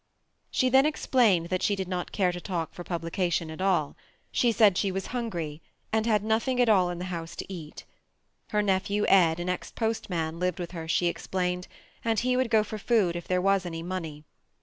She then explained that she did not care to talk for publication at all. She said she was hungry and had nothing at all in the house to eat. Her nephew, Ed, an ex postman lived with her, she explained, and he would go for food if there was any money.